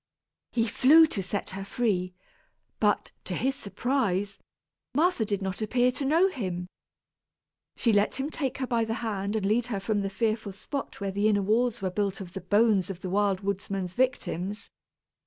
He flew to set her free; but, to his surprise, Martha did not appear to know him. She let him take her by the hand and lead her from the fearful spot where the inner walls were built of the bones of the Wild Woodsman's victims.